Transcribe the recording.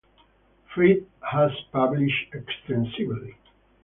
Fried has published extensively.